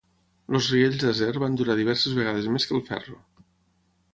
Els riells d'acer van durar diverses vegades més que el ferro.